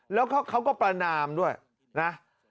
แล้วเขาก็ประนามด้วยนะ